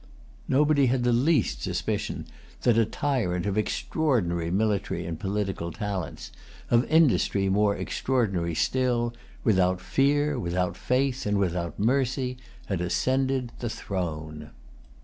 Nobody had the least suspicion that a tyrant of extraordinary military and political talents, of industry more extraordinary still, without fear, without faith, and without mercy, had ascended the throne.